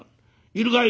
『いるかい？』